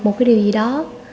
bỏ thì bỏ